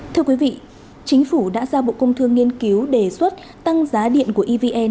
thưa quý vị chính phủ đã ra bộ công thương nghiên cứu đề xuất tăng giá điện của evn